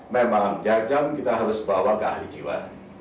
memang jajang kita harus bawa ke ahli jiwa